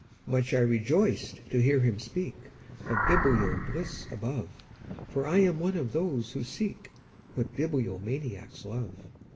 Much I rejoiced to hear him speakOf biblio bliss above, For I am one of those who seekWhat bibliomaniacs love.